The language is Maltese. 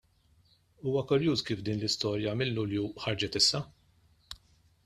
Huwa kurjuż kif din l-istorja minn Lulju ħarġet issa!